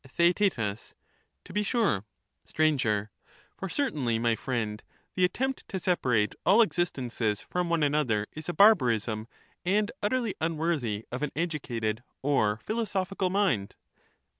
TheaeU To be sure. Sir. For certainly, my friend, the attempt to separate all existences from one another is a barbarism and utterly un worthy of an educated or philosophical mind.